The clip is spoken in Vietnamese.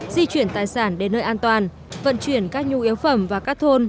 di chuyển tài sản đến nơi an toàn vận chuyển các nhu yếu phẩm và các thôn